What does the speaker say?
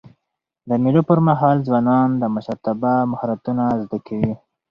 د مېلو پر مهال ځوانان د مشرتابه مهارتونه زده کوي.